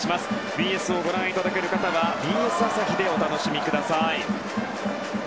ＢＳをご覧いただける方はＢＳ朝日でお楽しみください。